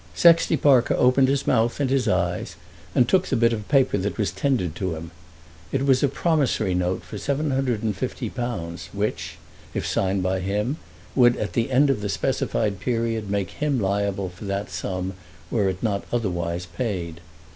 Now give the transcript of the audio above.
Sexty Parker opened his mouth and his eyes, and took the bit of paper that was tendered to him. It was a promissory note for £750, which, if signed by him, would at the end of the specified period make him liable for that sum were it not otherwise paid.